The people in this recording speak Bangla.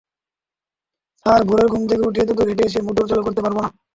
স্যার, ভোরে ঘুম থেকে উঠে এতদূর হেঁটে এসে মোটর চালু করতে পারব না।